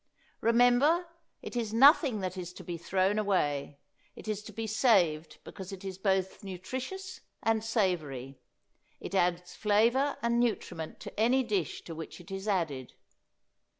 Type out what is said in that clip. Remember, it is nothing that is to be thrown away; it is to be saved because it is both nutritious and savory. It adds flavor and nutriment to any dish to which it is added.